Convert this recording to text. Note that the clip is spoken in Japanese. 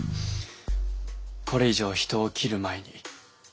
これ以上人を斬る前に。